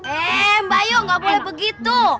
eh mbak yuk gak boleh begitu